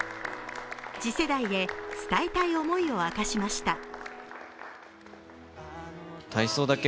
次世代へ伝えたい思いを明かしました。